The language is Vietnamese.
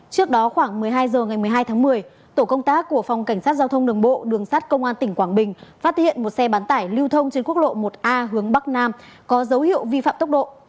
trước đó khoảng một mươi hai h ngày một mươi hai tháng một mươi tổ công tác của phòng cảnh sát giao thông đường bộ đường sát công an tỉnh quảng bình phát hiện một xe bán tải lưu thông trên quốc lộ một a hướng bắc nam có dấu hiệu vi phạm tốc độ